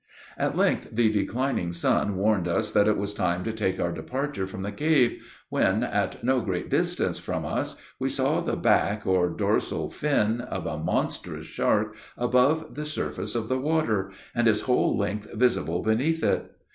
At length the declining sun warned us that it was time to take our departure from the cave, when, at no great distance from us, we saw the back or dorsal fin of a monstrous shark above the surface of the water, and his whole length visible beneath it.